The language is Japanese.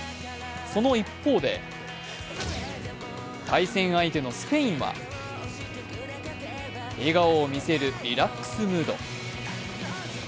その一方で、対戦相手のスペインは笑顔を見せるリラックスムード。